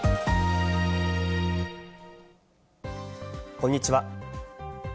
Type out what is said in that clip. こんにちは。